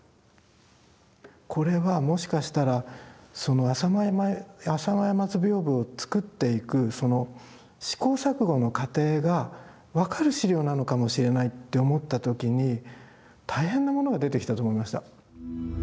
これはもしかしたらその「浅間山図屏風」を作っていくその試行錯誤の過程が分かる資料なのかもしれないって思った時に大変なものが出てきたと思いました。